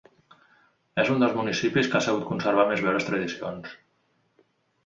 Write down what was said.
És un dels municipis que ha sabut conservar més bé les tradicions.